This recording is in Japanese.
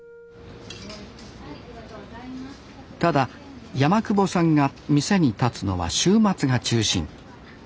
ただ山久保さんが店に立つのは週末が中心。